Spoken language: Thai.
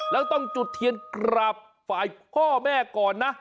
แล้วต้องจุดเทียนกราบฝ่ายพ่อแม่ก่อนนะ